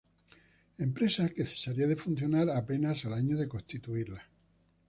Empresa que cesaría de funcionar apenas al año de constituida.